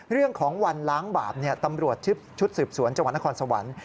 เรื่องของวันล้างบาปตำรวจชุดสืบสวนจังหวัดนครสวรรค์